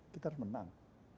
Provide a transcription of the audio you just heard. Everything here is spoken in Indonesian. kita harus menang